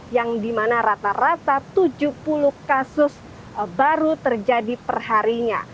yang dimana rata rata tujuh puluh kasus baru terjadi perharinya